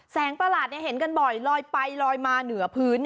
ประหลาดเห็นกันบ่อยลอยไปลอยมาเหนือพื้น